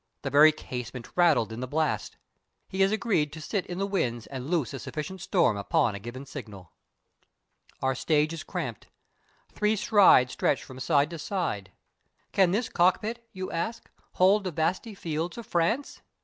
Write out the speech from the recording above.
The very casement rattled in the blast. He has agreed to sit in the wings and loose a sufficient storm upon a given signal. Our stage is cramped. Three strides stretch from side to side. "Can this cockpit" you ask, "hold the vasty fields of France?"